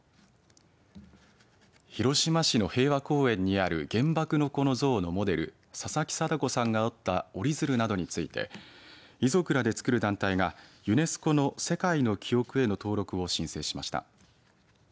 広島市の平和公園にある原爆の子の像のモデル佐々木禎子さんが折った折り鶴などについて遺族らでつくる団体がユネスコの世界の記憶への登録を申請しました。